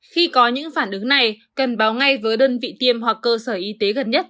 khi có những phản ứng này cần báo ngay với đơn vị tiêm hoặc cơ sở y tế gần nhất